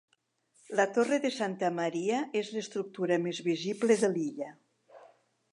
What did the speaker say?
La torre de santa Maria és l'estructura més visible de l'illa.